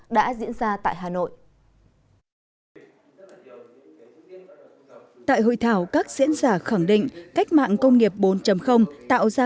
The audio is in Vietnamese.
đã diễn ra tại hà nội tại hội thảo các diễn giả khẳng định cách mạng công nghiệp bốn tạo ra